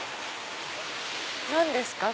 何ですか？